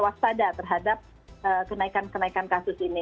waspada terhadap kenaikan kenaikan kasus ini